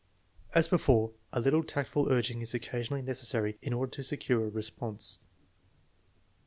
As before, a little tactful urging is occasionally neces sary in order to secure a response.